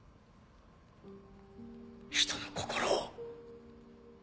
人の心を。